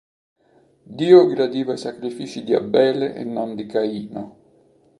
Dio gradiva i sacrifici di Abele e non di Caino.